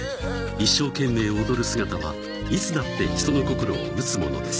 一生懸命踊る姿はいつだって人の心を打つものです。